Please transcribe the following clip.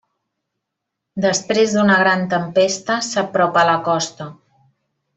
Després d'una gran tempesta s'apropa a la costa.